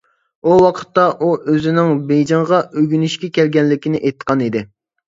ئۇ ۋاقىتتا ئۇ ئۆزىنىڭ بېيجىڭغا ئۆگىنىشكە كەلگەنلىكىنى ئېيتقان ئىدى.